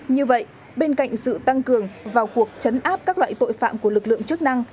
như vậy bên cạnh sự tăng cường vào cuộc chấn áp các loại tội phạm của lực lượng chức năng